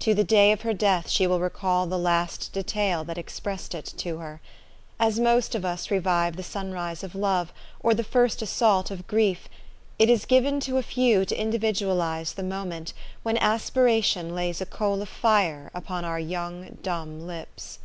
To the day of her death she will recall the last detail that expressed it to her. As most of us re vive the sunrise of love, or the first assault of grief, it is given to a few to individualize the moment when aspiration lays a coal of fire upon our young dumb lips.